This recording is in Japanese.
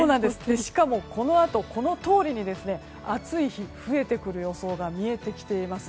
しかも、このあとこのとおりに暑い日が続く予想が見えてきています。